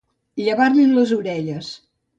Llevar-li les orelles.